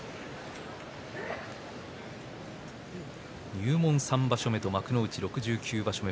入門３場所目と幕内６９場所目。